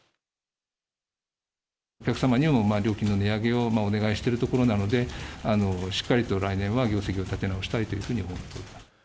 お客様にも、料金の値上げをお願いしているところなので、しっかりと来年は業績を立て直したいというふうに思っております。